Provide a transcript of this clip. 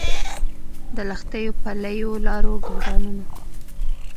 د لښتیو، پلیو لارو، ګلدانونو